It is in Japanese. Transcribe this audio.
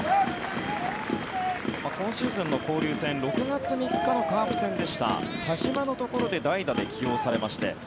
今シーズンの交流戦６月３日のカープ戦でした田嶋のところで代打で起用されまして